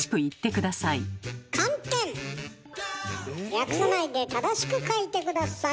略さないで正しく書いて下さい。